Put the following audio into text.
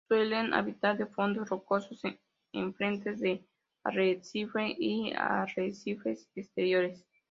Suelen habitar en fondos rocosos, en frentes de arrecife y arrecifes exteriores.